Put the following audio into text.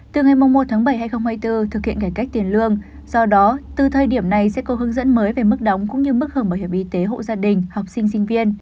từ ngày một tháng bảy hai nghìn hai mươi bốn thực hiện cải cách tiền lương do đó từ thời điểm này sẽ có hướng dẫn mới về mức đóng cũng như mức hưởng bảo hiểm y tế hộ gia đình học sinh sinh viên